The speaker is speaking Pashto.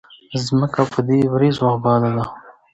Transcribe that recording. ځمکه په دې وريځو اباده ده